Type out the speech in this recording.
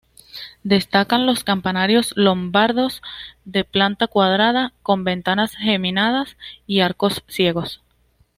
Destacan los campanarios lombardos de planta cuadrada con ventanas geminadas y arcos ciegos.